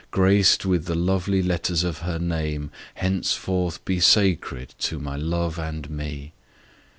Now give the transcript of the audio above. Graced with the lovely letters of her name, Henceforth be sacred to my love and me!